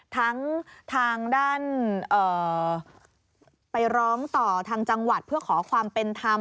ทางด้านไปร้องต่อทางจังหวัดเพื่อขอความเป็นธรรม